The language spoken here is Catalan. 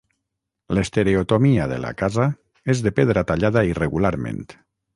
L'estereotomia de la casa és de pedra tallada irregularment.